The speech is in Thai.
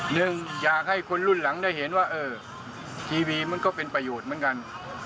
หนึ่งอยากให้คนรุ่นหลังได้เห็นว่าเออทีวีมันก็เป็นประโยชน์เหมือนกัน